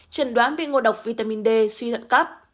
trần đoán bị ngộ độc vitamin d suy hợn cấp